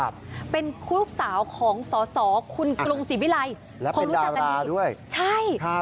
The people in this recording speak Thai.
ครับเป็นลูกสาวของสอสอคุณกรุงศรีวิลัยแล้วเป็นดาราด้วยใช่ครับ